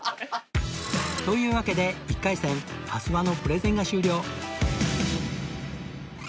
というわけで１回戦阿諏訪のプレゼンが終了